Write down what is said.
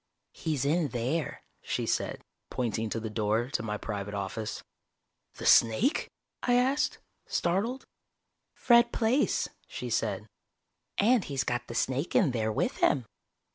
"He's in there," she said, pointing to the door to my private office. "The snake?" I asked, startled. "Fred Plaice," she said. "And he's got the snake in there with him."